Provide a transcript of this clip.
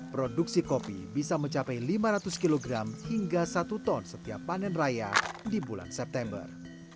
produksi kopi bisa mencapai lima ratus kg hingga satu ton setiap panen raya di bulan september